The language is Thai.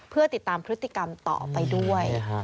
เพื่อติดตามพฤติกรรมต่อไปด้วย